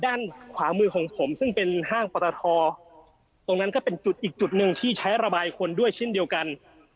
ด้านขวามือของผมซึ่งเป็นห้างปรทอตรงนั้นก็เป็นจุดอีกจุดหนึ่งที่ใช้ระบายคนด้วยเช่นเดียวกัน